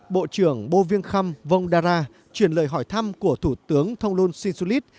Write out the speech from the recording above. bộ trưởng bô viêng khâm vông đà ra truyền lời hỏi thăm của thủ tướng thông luân sinh sư lít